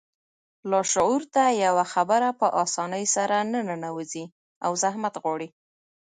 لاشعور ته يوه خبره په آسانۍ سره نه ننوځي او زحمت غواړي.